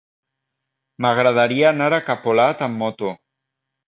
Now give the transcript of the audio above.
M'agradaria anar a Capolat amb moto.